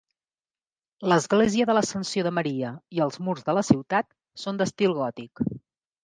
L'església de l'Ascensió de Maria i els murs de la ciutat són d'estil gòtic.